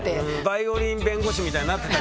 バイオリン弁護士みたいになってた。